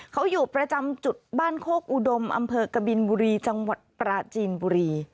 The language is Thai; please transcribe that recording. เขาอยู่ประจำจุดบ้านโคกอุดมอำเภอกบินบุรีจังหวัดปราจีนบุรี